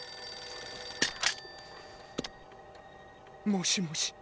☎もしもし。